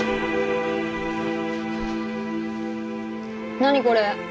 何これ。